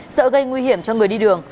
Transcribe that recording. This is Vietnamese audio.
sợ gây nguy hiểm cho người đi đường